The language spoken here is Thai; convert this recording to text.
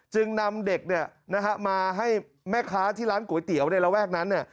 จึงนำเด็กมาให้แม่ค้าที่ร้านก๋วยเตี๋ยวในระแวกนั้น